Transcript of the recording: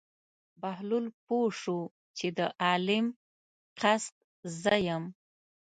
بهلول پوه شو چې د عالم قصد زه یم.